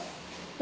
何？